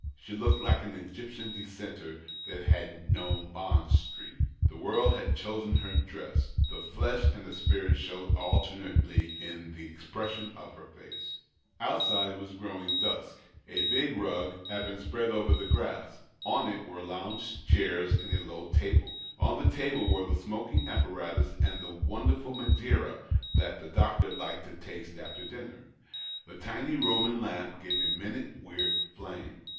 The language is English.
She looked like an Egyptian dissenter that had known Bond Street, The w^orld had chosen her dress ; the flesh and the spirit showed alternately in the expression of her face. Outside it was OTOwino; dusk. A biof rus THE OCTAVE OF CLAUDIUS. 73 had been spread over the grass ; on it were lounge chairs and a low table. On the table were the smoking apparatus and the wonder ful Madeira that the doctor liked to taste after dinner. The tiny Eoman lamp gave a minute weird flame.